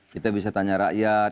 kita bisa tanya rakyat